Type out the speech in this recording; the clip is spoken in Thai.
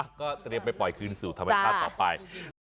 ก็เตรียมไปปล่อยคืนสู่ธรรมชาติต่อไป